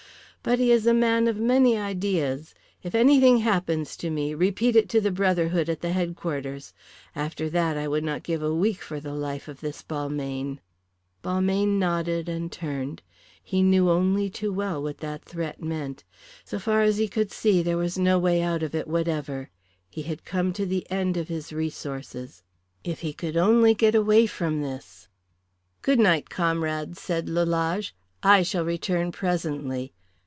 But he is a man of many ideas. If anything happens to me, repeat it to the Brotherhood at the headquarters. After that I would not give a week for the life of this Balmayne." Balmayne nodded and turned. He knew only too well what that threat meant. So far as he could see there was no way out of it whatever. He had come to the end of his resources. If he could only get away from this! "Goodnight, comrades," said Lalage. "I shall return presently.